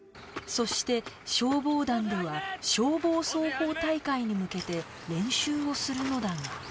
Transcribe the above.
そして消防団では消防操法大会に向けて練習をするのだが